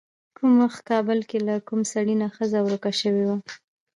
کوم وخت کابل کې له کوم سړي نه ښځه ورکه شوې وه.